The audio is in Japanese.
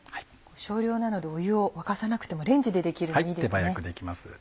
少量なので湯を沸かさなくてもレンジでできるのいいですね。